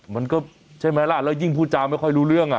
มันก็ใช่ไหมล่ะแล้วยิ่งพูดจาไม่ค่อยรู้เรื่อง